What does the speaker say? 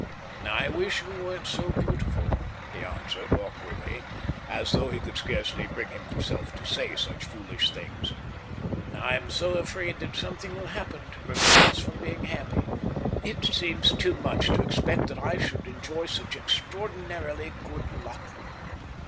"I wish you weren't so beautiful," he answered, awkwardly, as though he could scarcely bring himself to say such foolish things. "I'm so afraid that something will happen to prevent us from being happy. It seems too much to expect that I should enjoy such extraordinarily good luck."